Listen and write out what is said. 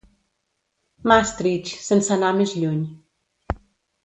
"Maastricht", sense anar més lluny.